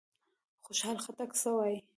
خوشحال خټک څه وايي؟